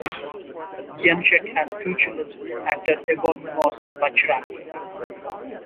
Yemchuck has two children with actor Ebon Moss-Bachrach.